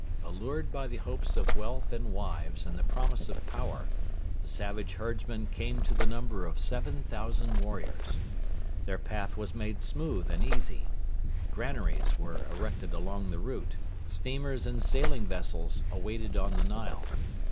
Allured by the hopes of wealth and wives and the promise of power, the savage herdsmen came to the number of 7,000 warriors. Their path was made smooth and easy. Granaries were erected along the route. Steamers and sailing vessels waited on the Nile.